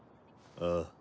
ああ。